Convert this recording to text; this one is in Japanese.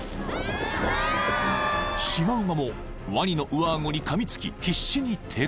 ［シマウマもワニの上顎にかみつき必死に抵抗］